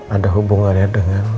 ada hubungannya dengan